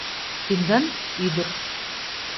Тендан — ӱдыр.